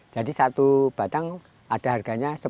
jadi satu batang ada harganya